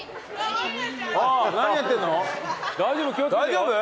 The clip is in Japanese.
大丈夫？